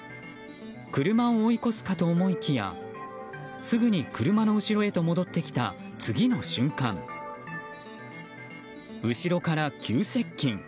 車を追い越すかと思いきやすぐに車の後ろへと戻ってきた次の瞬間後ろから急接近。